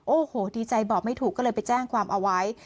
โอ้โหดีใจบอกไม่ถูกก็เลยไปแจ้งความเอาไว้